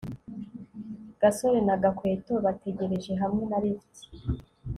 gasore na gakwego bategereje hamwe na lift